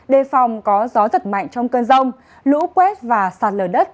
đề phòng có gió giật mạnh trong cơn rông lũ quét và sạt lở đất